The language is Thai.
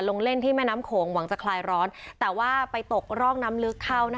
ลงเล่นที่แม่น้ำโขงหวังจะคลายร้อนแต่ว่าไปตกร่องน้ำลึกเข้า